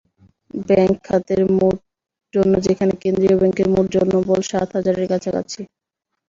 Bank খাতের জন্য যেখানে কেন্দ্রীয় ব্যাংকের মোট জনবল সাত হাজারের কাছাকাছি।